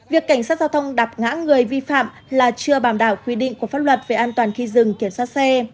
việc cảnh sát giao thông đạp ngã người vi phạm là chưa đảm bảo quy định của pháp luật về an toàn khi dừng kiểm soát xe